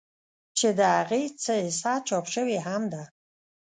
چې د هغې څۀ حصه چاپ شوې هم ده